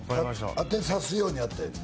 当てさすようにやって。